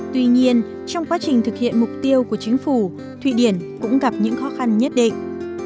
tuy nhiên trong quá trình thực hiện mục tiêu của chính phủ thụy điển cũng gặp những khó khăn nhất định